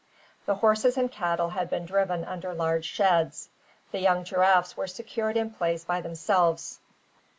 The horses and cattle had been driven under large sheds. The young giraffes were secured in a place by themselves.